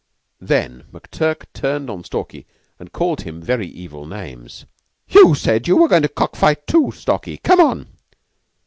Then McTurk turned on Stalky and called him very evil names. "You said you were goin' to cock fight too, Stalky. Come on!"